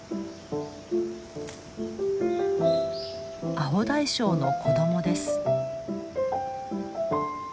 アオダイショウの子供です。